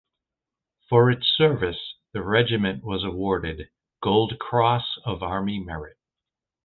For its service the regiment was awarded Gold Cross of Army Merit.